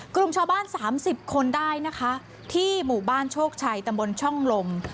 กลุ่มชาวบ้าน๓๐คนได้นะคะที่หมู่บ้านโชคชัยตำบลช่องลม